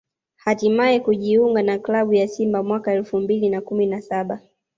hatimaye kujiunga na klabu ya Simba mwaka elfu mbili na kumi na saba